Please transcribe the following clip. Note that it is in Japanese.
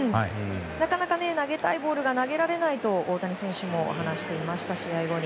なかなか投げたいボールが投げられないと大谷選手も試合後に話していました。